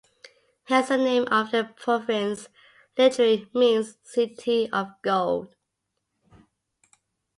Hence the name of the province literally means "City of Gold".